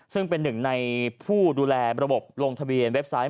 ซึ่งเป็นหนึ่งในผู้ดูแลระบบลงทะเบียนเว็บไซต์